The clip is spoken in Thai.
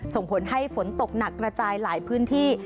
ส่งผลให้ฝนตกหนักกระจายหลายพื้นที่